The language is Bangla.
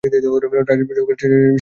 রাজবংশের শেষ রাজা ছিলেন শিবশেখরেশ্বর।